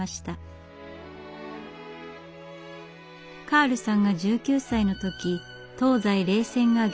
カールさんが１９歳の時東西冷戦が激化。